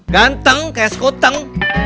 ganteng kayak sekoteng